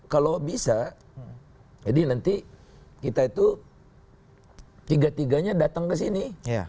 kalau bisa jadi nanti kita itu tiga tiganya datang ke sini